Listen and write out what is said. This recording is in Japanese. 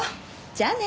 じゃあね。